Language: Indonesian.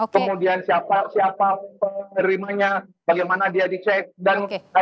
kemudian siapa penerimanya bagaimana dia dicek dan